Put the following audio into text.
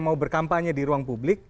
mau berkampanye di ruang publik